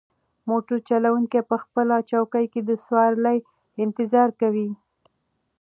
موټر چلونکی په خپله چوکۍ کې د سوارلۍ انتظار کوي.